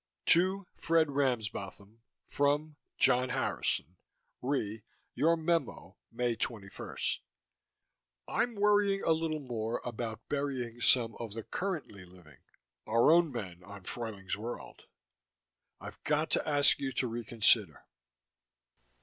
TO: Fred Ramsbotham FROM: John Harrison RE: Your memo May 21 I'm worrying a little more about burying some of the currently living our own men on Fruyling's World. I've got to ask you to reconsider....